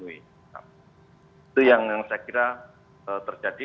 itu yang saya kira terjadi